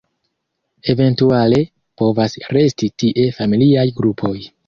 Eventuale povas resti tie familiaj grupoj.